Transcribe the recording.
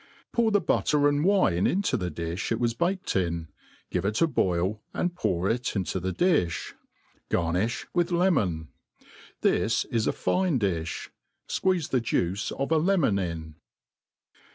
Pour the butter and v^ine into the difli it was baked in, give it a bpil^ and pour it into the diCh. Garnifli with lemon. This is a fine difh. Squeeze the juice of a lemon in.